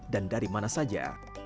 dan dari mana saja